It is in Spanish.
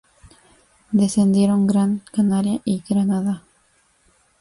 Descendieron Gran Canaria y Granada.